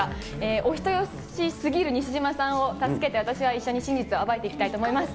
お人よしすぎる西島さんを助けて、私は一緒に真実を暴いていきたいと思います。